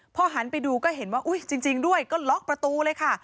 พอหันไปดูก็เห็นว่าอุ๊ยจริงด้วยก็ล็อกประตูเลยค่ะ